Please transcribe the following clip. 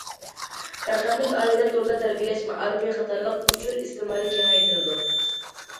رەقەملىك ئائىلە، توردا تەربىيەلەش مائارىپى قاتارلىق ئۇچۇر ئىستېمالى كېڭەيتىلىدۇ.